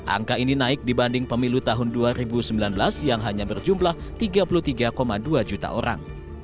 angka ini naik dibanding pemilu tahun dua ribu sembilan belas yang hanya berjumlah tiga puluh tiga dua juta orang